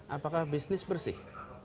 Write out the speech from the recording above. apakah bisnis bersih